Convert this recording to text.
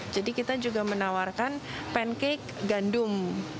jadi kita juga menawarkan pancake gandum